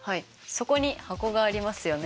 そこに箱がありますよね。